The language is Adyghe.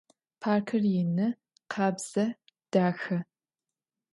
Parkır yinı, khabze, daxe.